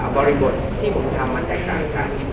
บริบทที่ผมทำมันแตกต่างกัน